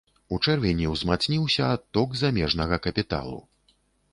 У чэрвені ўзмацніўся адток замежнага капіталу.